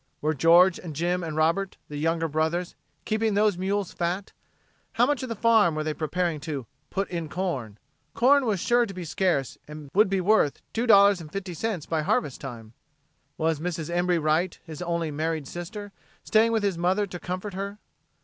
Were George and Jim and Robert, the younger brothers, keeping those mules fat? How much of the farm were they preparing to "put in corn"? Corn was sure to be scarce and would be worth $2.50 by harvest time! Was Mrs. Embry Wright, his only married sister, staying with his mother to comfort her?